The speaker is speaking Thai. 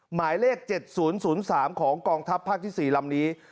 หมายเลข๗๐๐๓ของกองทัพภาคที่๔ลำนี้